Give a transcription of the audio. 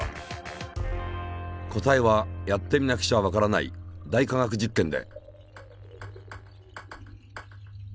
答えはやってみなくちゃわからない「大科学実験」で。